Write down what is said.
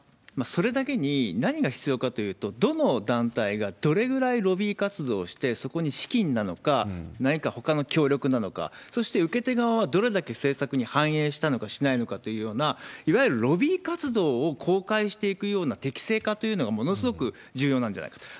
それだけに、何が必要かというと、どの団体がどれくらいロビー活動をして、そこに資金なのか、何かほかの協力なのか、そして受け手側はどれだけ政策に反映したのかしないのかというような、いわゆるロビー活動を公開していくような適正化というのがものすごく重要なんじゃないかと。